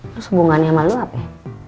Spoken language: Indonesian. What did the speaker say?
terus hubungannya sama lu apa ya